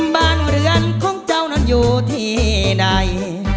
บ้านเรือนของเจ้านั้นอยู่ที่ใด